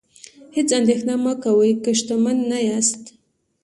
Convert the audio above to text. هیڅ اندیښنه مه کوئ که شتمن نه یاست.